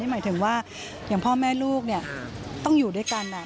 หมายถึงว่าอย่างพ่อแม่ลูกต้องอยู่ด้วยกัน